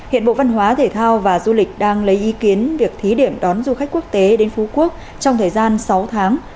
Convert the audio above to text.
hiện bộ văn hóa thể thao và du lịch đang lấy ý kiến việc thí điểm đón du khách quốc tế đến phú quốc trong thời gian sáu tháng